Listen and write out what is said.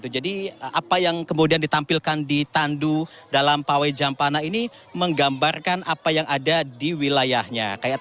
jadi apa yang kemudian ditampilkan di tandu dalam pawai jampana ini menggambarkan apa yang ada di wilayahnya